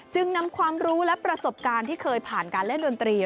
จึงนำความรู้และประสบการณ์ที่เคยผ่านการเล่นดนตรี